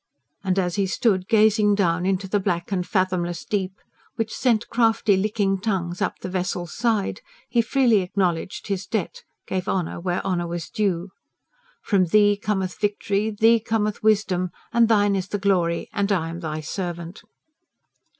And as he stood gazing down into the black and fathomless deep, which sent crafty, licking tongues up the vessel's side, he freely acknowledged his debt, gave honour where honour was due. FROM THEE COMETH VICTORY, FROM THEE COMETH WISDOM, AND THINE IS THE GLORY AND I AM THY SERVANT.